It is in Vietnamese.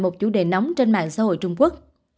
một chủ đề nóng trên mạng xã hội trung quốc